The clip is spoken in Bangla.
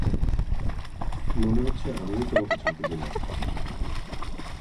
মনে হচ্ছে আমিও তোমায় চমকে দিলাম।